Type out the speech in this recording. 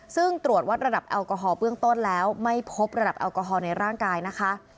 ซึ่งตรวจวัดระดับแอลกอฮอลเบื้องต้นแล้วไม่พบระดับแอลกอฮอลในร่างกายนะคะ